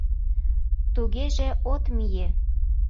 Тугеже, от мие?